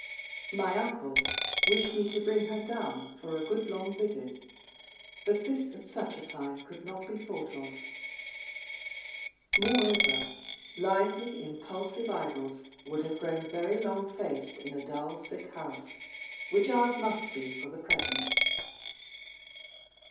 My uncle wished me to bring her down for a good long visit, but this at such a time could not be thought of. Moreover, lively, impulsive Idols would have grown very long faced in a dull sick house, which ours must be for the present.